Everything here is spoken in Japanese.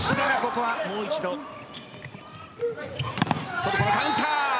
トルコのカウンター。